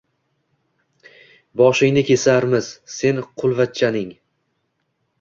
-Boshingni kesarmiz sen qulvachchaning!